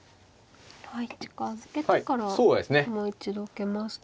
はい近づけてからもう一度受けました。